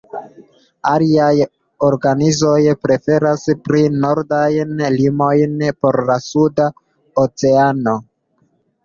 Aliaj organizoj preferas pli nordajn limojn por la Suda Oceano.